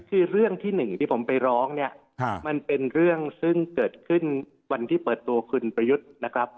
คือเรื่องที่หนึ่งที่ผมไปร้องเนี่ยมันเป็นเรื่องซึ่งเกิดขึ้นวันที่เปิดตัวคุณประยุทธ์นะครับ